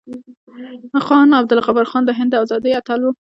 خان عبدالغفار خان د هند د ازادۍ اتل و.